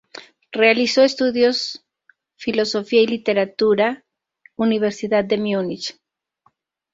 Realizó estudios filosofía y literatura en la Universidad de Múnich.